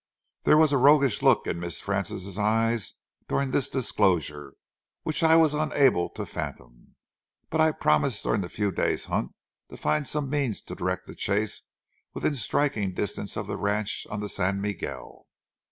There was a roguish look in Miss Frances's eye during this disclosure which I was unable to fathom, but I promised during the few days' hunt to find some means to direct the chase within striking distance of the ranch on the San Miguel.